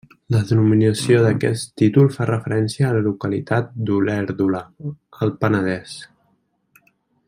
La denominació d'aquest títol fa referència a la localitat d'Olèrdola, Alt Penedès.